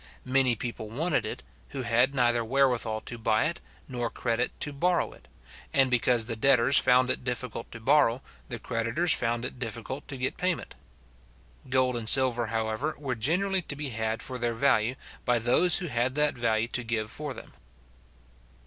Many people wanted it, who had neither wherewithal to buy it, nor credit to borrow it; and because the debtors found it difficult to borrow, the creditors found it difficult to get payment. Gold and silver, however, were generally to be had for their value, by those who had that value to give for them.